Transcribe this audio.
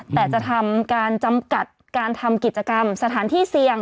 แต่จะทำการจำกัดการทำกิจกรรมสถานที่เสี่ยง